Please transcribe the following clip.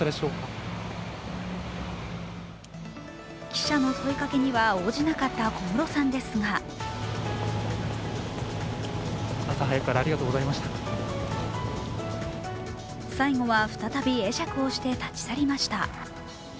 記者の問いかけには応じなかった小室さんですが最後は再び会釈をして立ち去りました。